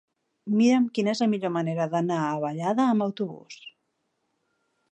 Mira'm quina és la millor manera d'anar a Vallada amb autobús.